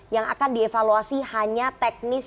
yang akan dievaluasi hanya teknis